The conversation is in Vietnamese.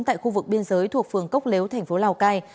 tại khu vực biên giới thuộc phường cốc lếu thành phố lào cai